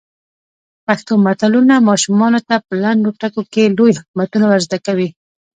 پښتو متلونه ماشومانو ته په لنډو ټکو کې لوی حکمتونه ور زده کوي.